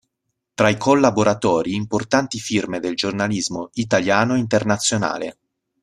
Tra i collaboratori, importanti firme del giornalismo italiano e internazionale.